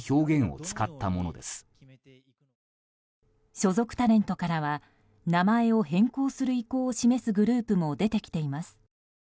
所属タレントからは名前を変更する意向を示すグループも出てきています。